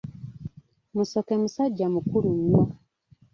Musoke musajja mukulu nnyo.